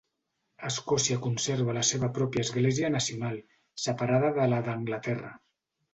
Escòcia conserva la seva pròpia església nacional, separada de la d'Anglaterra.